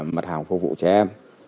mặt hàng phục vụ trẻ em